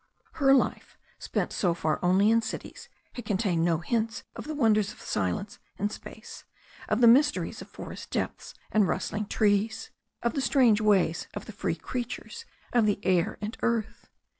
Her life, spent so far only in cities, had contained no hints of the wonders of silence and space, of the mys teries of forest depths and rustling trees, of the strange ways of the free creatures of the air and earth.